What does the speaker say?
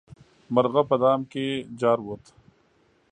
مرغه په دام کې جارووت.